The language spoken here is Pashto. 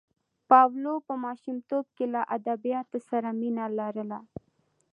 پاولو په ماشومتوب کې له ادبیاتو سره مینه لرله.